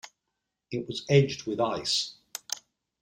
It was edged with ice.